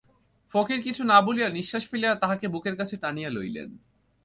ফকির কিছু না বলিয়া নিশ্বাস ফেলিয়া তাহাকে বুকের কাছে টানিয়া লইলেন।